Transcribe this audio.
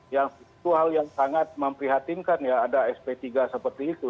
yang itu hal yang sangat memprihatinkan ya ada sp tiga seperti itu